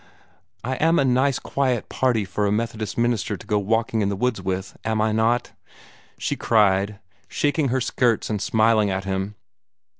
"I AM a nice quiet party for a Methodist minister to go walking in the woods with, am I not?" she cried, shaking her skirts and smiling at him.